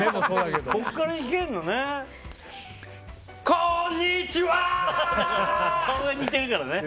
ここからいけるのね。